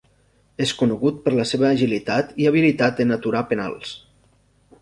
És conegut per la seva agilitat i habilitat en aturar penals.